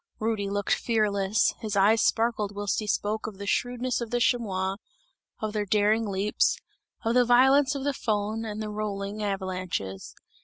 Rudy looked fearless, his eyes sparkled whilst he spoke of the shrewdness of the chamois, of their daring leaps, of the violence of the Föhn and of the rolling avalanches.